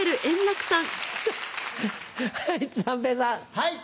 はい。